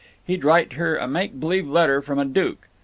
He'd write her a make b'lieve letter from a duke.